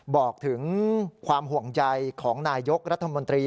บอกถึงความห่วงใยของนายกรัฐมนตรี